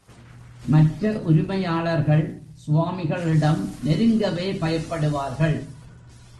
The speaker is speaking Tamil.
மற்ற உரிமையாளர்கள் சுவாமிகளிடம் நெருங்கவே பயப்படுவார்கள்.